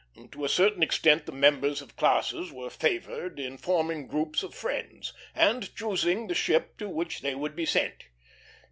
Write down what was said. To a certain extent the members of classes were favored in forming groups of friends, and choosing the ship to which they would be sent.